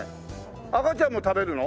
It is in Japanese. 赤ちゃんも食べるの？